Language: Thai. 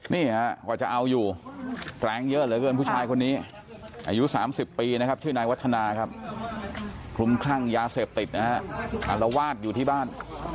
นี่ก็จะเอาอยู่แกรงเยอะเลยเพื่อนพูดค่ะผู้ชายคนนี้อายุ๓๐ปีนะครับชื่อนายวัฒนาครับพรุ้งคลั่งยาเสพติดนะครับวาดอยู่ที่บ้าน